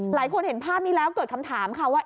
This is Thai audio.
เห็นภาพนี้แล้วเกิดคำถามค่ะว่า